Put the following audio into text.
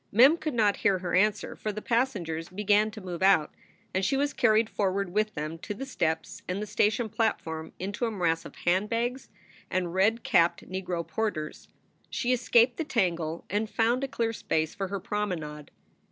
Mem could not hear her answer, for the passengers began to move out, and she was carried forward with them to the steps and the station platform into a morass of hand bags and red capped negro porters. She escaped the tangle and found a clear space for her promenade.